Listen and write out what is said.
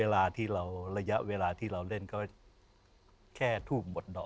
เวลาที่เราระยะเวลาที่เราเล่นก็แค่ทูบหมดดอก